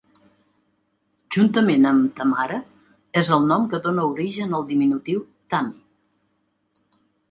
Juntament amb "Tamara", és el nom que dóna origen al diminutiu "Tammy".